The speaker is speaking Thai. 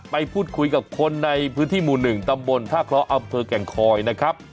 ไปพูดคุยกับคนในพื้นที่หมู่๑ตำบลท่าเคราะห์อำเภอแก่งคอยนะครับ